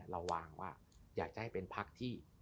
เราวางว่าอยากจะให้เป็นพักที่